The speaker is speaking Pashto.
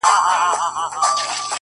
راځي سبا ـ